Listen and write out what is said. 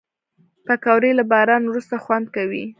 پکورې له باران وروسته خوند کوي